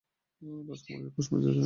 রাজকুমারী খোশমেজাজে নেই।